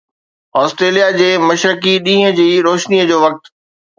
Australia جي مشرقي ڏينهن جي روشني جو وقت